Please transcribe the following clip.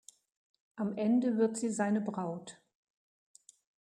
Am Ende wird sie seine Braut.